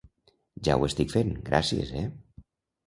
Ja ho estic fent, gracies eh.